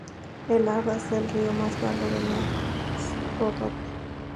El Arda es el río más largo de las Ródope.